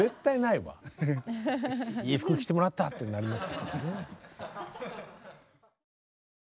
「いい服着てもらった」ってなります。